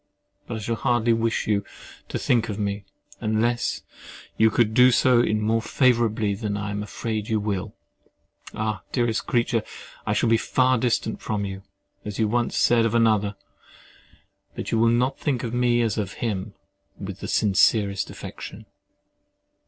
But I shall hardly wish you to think of me, unless you could do so more favourably than I am afraid you will. Ah! dearest creature, I shall be "far distant from you," as you once said of another, but you will not think of me as of him, "with the sincerest affection."